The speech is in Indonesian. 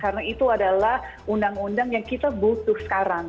karena itu adalah undang undang yang kita butuh sekarang